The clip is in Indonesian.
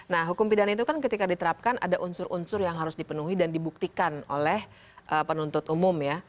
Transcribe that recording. nah hukum pidana itu kan ketika diterapkan ada unsur unsur yang harus dipenuhi dan dibuktikan oleh penuntut umum ya